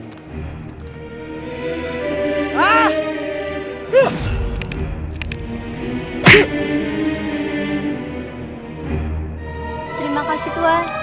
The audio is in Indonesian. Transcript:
terima kasih tuan